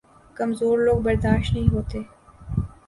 کمزور لوگ برداشت نہیں ہوتے